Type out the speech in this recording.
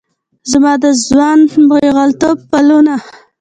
زما د ځوان پیغلتوب پلونه